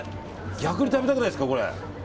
逆に食べたくないですか。